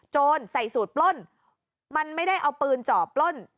ใส่สูตรปล้นมันไม่ได้เอาปืนจ่อปล้น